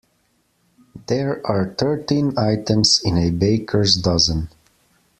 There are thirteen items in a baker’s dozen